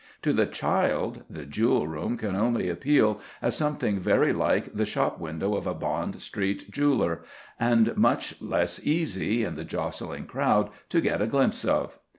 To the child, the Jewel room can only appeal as something very like the shop window of a Bond Street jeweller, and much less easy, in the jostling crowd, to get a glimpse of.